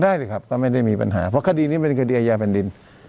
ได้เลยครับก็ไม่ได้มีปัญหาเพราะคดีนี้เป็นคดีอาญาแผ่นดิน